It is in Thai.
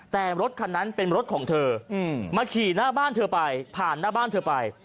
แต่รถคันนั้นเป็นรถของเธอมาขี่หน้าบ้านเธอไปผ่านหน้าบ้านเธอไป